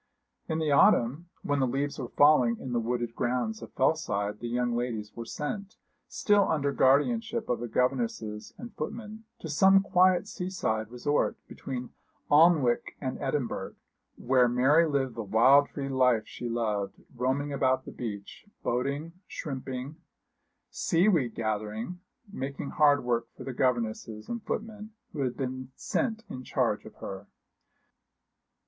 In the autumn, when the leaves were falling in the wooded grounds of Fellside, the young ladies were sent, still under guardianship of governesses and footmen, to some quiet seaside resort between Alnwick and Edinburgh, where Mary lived the wild free life she loved, roaming about the beach, boating, shrimping, seaweed gathering, making hard work for the governesses and footmen who had been sent in charge of her.